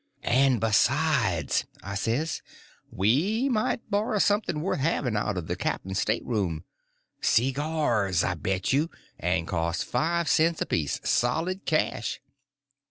"And besides," I says, "we might borrow something worth having out of the captain's stateroom. Seegars, I bet you—and cost five cents apiece, solid cash.